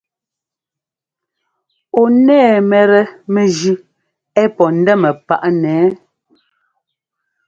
Ɔ́ nɛ́ɛ mɛ́tɛ́ mɛjʉ́ ɛ́ pɔ́ ńdɛ́mɛ páꞌ nɛ ɛ́ɛ ?